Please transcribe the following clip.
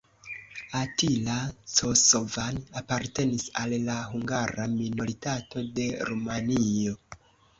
Attila Cosovan apartenis al la hungara minoritato de Rumanio.